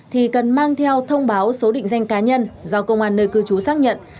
thì cần mang theo thông báo số định danh cá nhân do công an nơi cư trú xác nhận